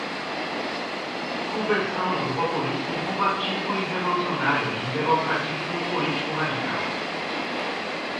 conversão do populismo combativo e revolucionário em democratismo político-radical